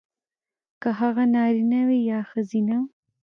کـه هغـه نـاريـنه وي يـا ښـځيـنه .